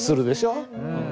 うん。